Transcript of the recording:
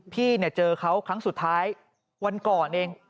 พี่เนี่ยเจอเขาครั้งสุดท้ายวันก่อนเอง